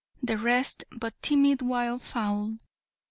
the rest But timid wild fowl.